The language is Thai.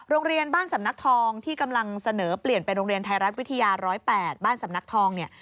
โรงเรียนบ้านสำนักทองที่กำลังเสนอเปลี่ยนเป็นโรงเรียนไทยรัฐวิทยา๑๐๘บ้านสำนักทองเนี่ย